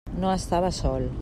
No estava sol.